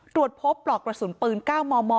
ตรวจพบปลอกกระสุนปืน๙มม